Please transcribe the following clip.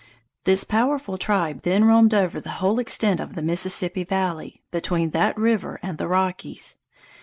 This powerful tribe then roamed over the whole extent of the Mississippi valley, between that river and the Rockies.